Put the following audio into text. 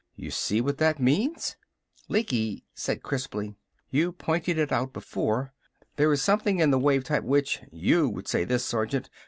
You see what that means?" Lecky said crisply: "You pointed it out before. There is something in the wave type which you would say this, Sergeant!